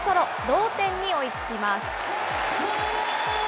同点に追いつきます。